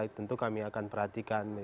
tentu kami akan perhatikan